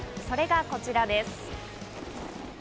それがこちらです。